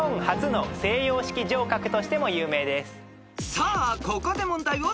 ［さあここで問題を追加］